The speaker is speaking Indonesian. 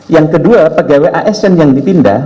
yang kedua pegawai asn yang dipindah